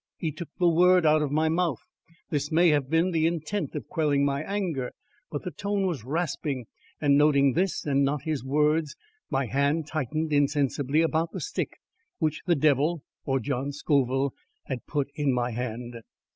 He took the word out of my mouth. This may have been with the intent of quelling my anger, but the tone was rasping, and noting this and not his words, my hand tightened insensibly about the stick which the devil (or John Scoville) had put in my hand.